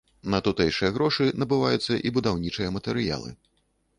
На тутэйшыя грошы набываюцца і будаўнічыя матэрыялы.